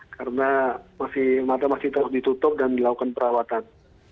karena mata masih tetap ditutup dan dilakukan perawatan